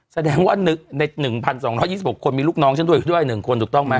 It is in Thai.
แสดงว่าใน๑๒๒๖คนมีลูกน้องฉันด้วย๑คนถูกต้องไหม